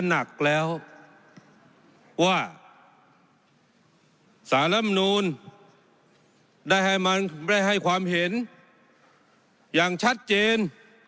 หนักแล้วว่าสารลำนูลได้ให้ความเห็นอย่างชัดเจน